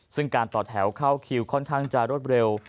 ซึ่งการต่อแถวเข้าคิวค่อนข้างจะรวดเร็ว